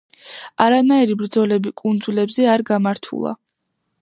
არანაირი ბრძოლები კუნძულებზე არ გამართულა.